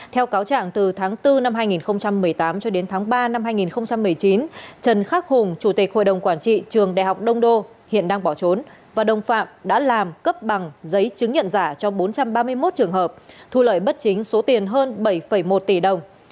theo cáo trạng từ tháng bốn năm hai nghìn một mươi tám cho đến tháng ba năm hai nghìn một mươi chín trần khắc hùng chủ tịch hội đồng quản trị trường đại học đông đô hiện đang bỏ trốn và đồng phạm đã làm cấp bằng giấy chứng nhận giả cho bốn trăm ba mươi một trường hợp thu lợi bất chính số tiền hơn bảy một tỷ đồng